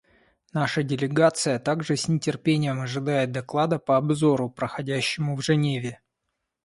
Наша делегация также с нетерпением ожидает доклада по обзору, проходящему в Женеве.